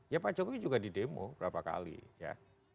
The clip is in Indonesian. ya pak jokowi juga di demo berapa kali ya